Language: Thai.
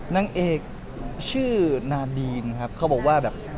นางเอกชื่อนาดีนครับเขาบอกว่าแบบ